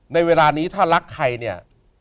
ในเวลานี้ถ้ารักใครเนี่ย